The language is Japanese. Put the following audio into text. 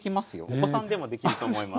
お子さんでもできると思います。